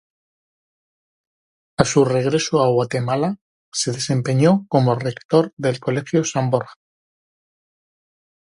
A su regreso a Guatemala, se desempeñó como rector del colegio San Borja.